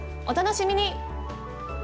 お楽しみに！